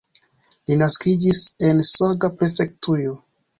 Li naskiĝis en Saga-prefektujo.